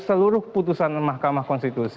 seluruh putusan mk